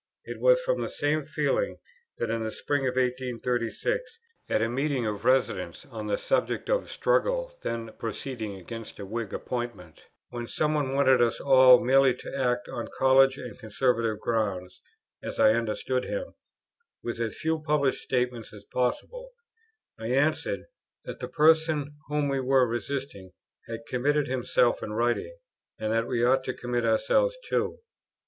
It was from the same feeling, that in the spring of 1836, at a meeting of residents on the subject of the struggle then proceeding against a Whig appointment, when some one wanted us all merely to act on college and conservative grounds (as I understood him), with as few published statements as possible, I answered, that the person whom we were resisting had committed himself in writing, and that we ought to commit ourselves too.